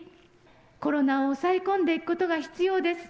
コロナを抑え込んでいくことが必要です。